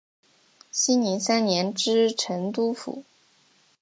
熙宁三年知成都府。